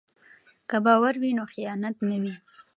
که باور وي نو خیانت نه وي.